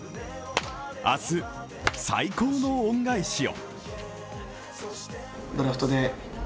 明日、最高の恩返しを。